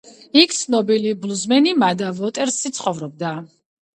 იქ ცნობილი ბლუზმენი მადი ვოტერსი ცხოვრობდა.